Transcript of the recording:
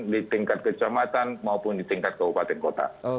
di tingkat kecamatan maupun di tingkat kabupaten kota